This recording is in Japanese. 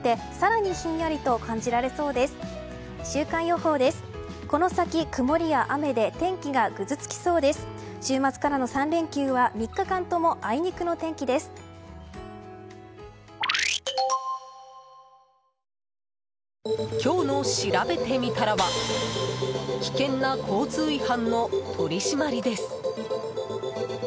今日のしらべてみたらは危険な交通違反の取り締まりです。